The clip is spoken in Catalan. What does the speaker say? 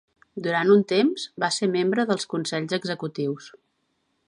Durant un temps, va ser membre dels consells executius.